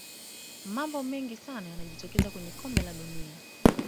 mambo mengi sana yanajitokeza kwenye kombe la dunia